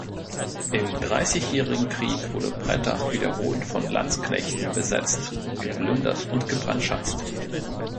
Im Dreißigjährigen Krieg wurde Brettach wiederholt von Landsknechten besetzt, geplündert und gebrandschatzt.